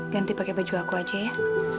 ganti pakai baju aku aja ya